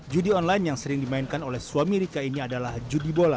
judi online yang sering dimainkan oleh suami rika ini adalah judi bola